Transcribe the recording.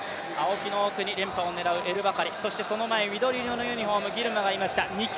連覇を狙うエルバカリ、その前、緑色のユニフォーム、ギルマがいました。